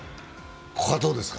ここはどうですか？